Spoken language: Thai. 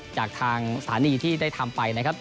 จากทางสถานีที่ได้ทำไปนะครับ